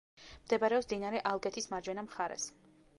მდებარეობს მდინარე ალგეთის მარჯვენა მხარეს.